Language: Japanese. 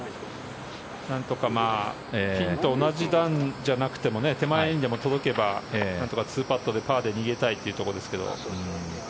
なんとかピンと同じ段じゃなくても手前にでも届けばなんとか２パットでパーで逃げたいというところですけど。